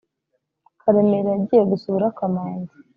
Karemera yagiye gusura Kamanzi